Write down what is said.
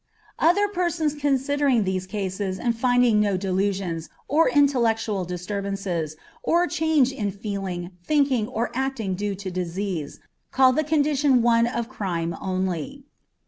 Other persons considering these cases and finding no delusions, or intellectual disturbances, or change in feeling, thinking, or acting due to disease, call the condition one of crime only.